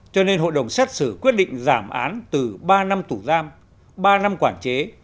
cho nên hội đồng xét xử quyết định giảm án từ ba năm tù giam ba năm quản chế